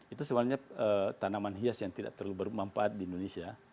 itu sebenarnya tanaman hias yang tidak terlalu bermanfaat di indonesia